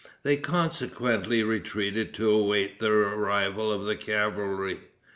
They consequently retreated to await the arrival of the cavalry.